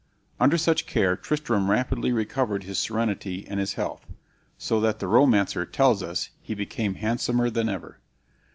Under such care Tristram rapidly recovered his serenity and his health, so that the romancer tells us he became handsomer than ever.